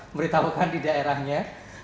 memberitahukan di daerahnya